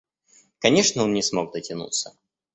Конечно, он не смог дотянуться.